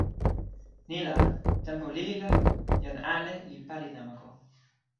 ni la, tenpo lili la, jan ale li pali namako.